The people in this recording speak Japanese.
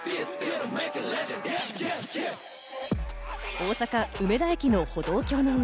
大阪・梅田駅の歩道橋の上。